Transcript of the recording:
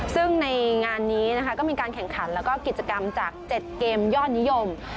ซึ่งในงานนี้นะคะก็มีการแข่งขันแล้วก็กิจกรรมจาก๗เกมยอดนิยม